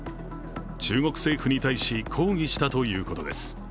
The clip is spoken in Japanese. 中国政府に対し、抗議したということです。